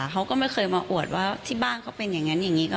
เขาก็ไม่เคยมาอวยรูปว่าบ้านเขาเป็นอย่างนั้น